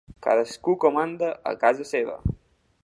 Cadascú comanda a casa seva.